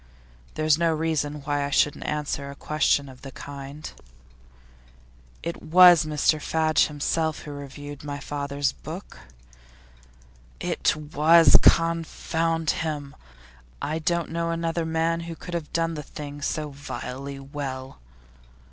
There's no reason why I shouldn't answer a question of the kind.' 'It was Mr Fadge himself who reviewed my father's book?' 'It was confound him! I don't know another man who could have done the thing so vilely well.